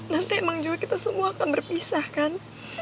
nanti emang juga kita semua akan berpisah kan